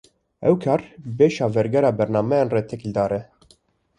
Ew kar, bi beşa wergera bernameyan re têkildar e